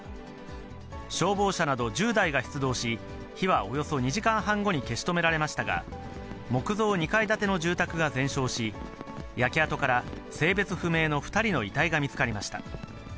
消防車など１０台が出動し、火はおよそ２時間半後に消し止められましたが、木造２階建ての住宅が全焼し、焼け跡から性別不明の２人の遺体が見つかりました。